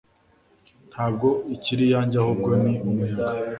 ntabwo ikiri iyanjye ahubwo ni umuyaga